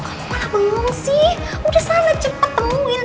kamu malah bengong sih udah sana cepet temuin